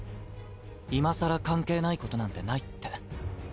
今更関係ないことなんてないって。